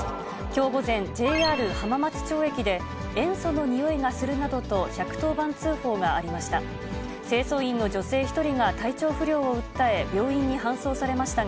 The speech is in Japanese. きょう午前、ＪＲ浜松町駅で塩素のにおいがするなどと１１０番通報がありました。